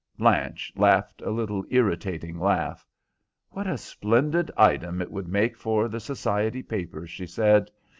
Blanche laughed a little irritating laugh. "What a splendid item it would make for the society papers," she said.